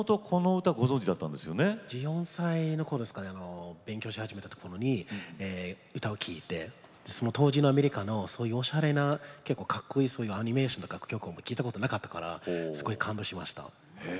１４歳のころに勉強し始めたころに歌を聴いて、当時のアメリカのおしゃれな結構かっこいいアニメーションの曲を聴いたことがなかったのですごい感動しました。